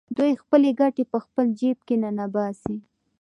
دوی خپلې ګټې په خپل جېب کې ننباسي